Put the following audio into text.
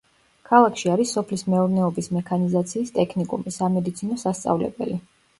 ქალაქში არის სოფლის მეურნეობის მექანიზაციის ტექნიკუმი, სამედიცინო სასწავლებელი.